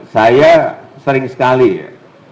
saya sering sekali ya